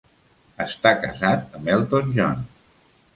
Està casat amb Elton John.